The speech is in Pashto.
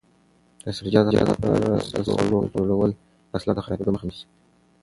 د سبزیجاتو لپاره د سړو خونو جوړول د حاصلاتو د خرابېدو مخه نیسي.